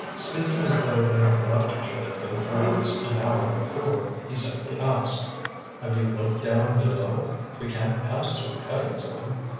Speaking as though they had left each other good friends an hour before, he simply asked: "Have you looked down below? We can't pass through the cuttings, then?"